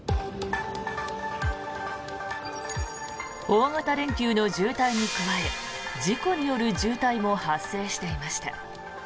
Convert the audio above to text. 大型連休の渋滞に加え事故による渋滞も発生していました。